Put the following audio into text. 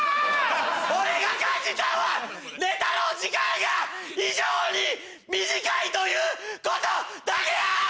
俺が感じたんはネタの時間が非常に短いということだけや！